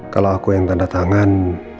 kalau aku yang tanda tangan